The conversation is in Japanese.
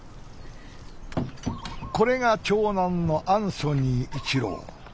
これが長男のアンソニー・一朗。